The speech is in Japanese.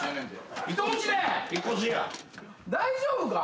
大丈夫か？